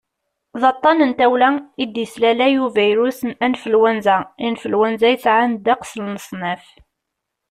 d aṭṭan n tawla i d-yeslalay ubirus n anflwanza influenza yesɛan ddeqs n leṣnaf